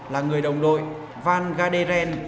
là người đồng đội van garderen